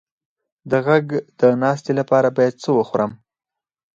د غږ د ناستې لپاره باید څه شی وخورم؟